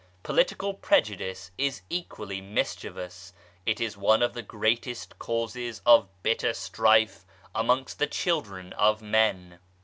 Political prejudice is equally mis chievous, it is one of the greatest causes of bitter strife amongst the children of men.